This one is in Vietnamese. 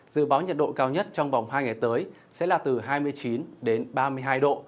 dự báo nhiệt độ cao nhất trong vòng hai ngày tới sẽ là từ hai mươi chín đến ba mươi hai độ